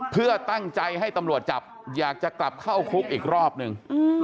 เพื่อตั้งใจให้ตำรวจจับอยากจะกลับเข้าคุกอีกรอบนึง